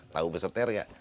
tahu beseter nggak